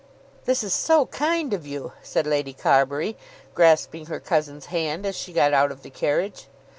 "This is so kind of you," said Lady Carbury, grasping her cousin's hand as she got out of the carriage.